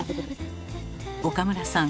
岡村さん